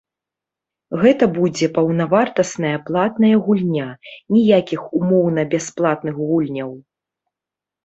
Гэта будзе паўнавартасная платная гульня, ніякіх умоўна-бясплатных гульняў.